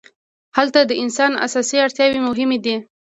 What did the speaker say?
هلته د انسان اساسي اړتیاوې مهمې دي.